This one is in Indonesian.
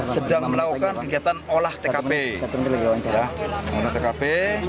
sedang melakukan kegiatan olah tkp